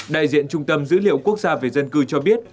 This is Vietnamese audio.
đại diện trung tâm dữ liệu quốc gia về dân cư cho biết